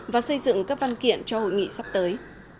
và xây dựng các văn kiện cho hội nghị sắp tới